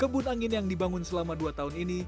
kebun angin yang dibangun selama dua tahun ini